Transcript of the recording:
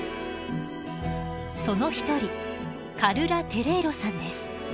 その一人カルラテレーロさんです。